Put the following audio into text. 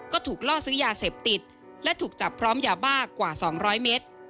ก็ถูกล่อซื้อยาเสพติดและถูกจับพร้อมยาบ้ากว่า๒๐๐เมตร